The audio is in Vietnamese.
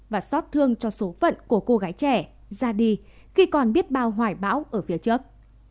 và xót thương cho số phận của cô gái trẻ ra đi khi còn biết bao hoài bão ở phía trước